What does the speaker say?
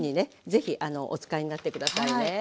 ぜひお使いになって下さいね。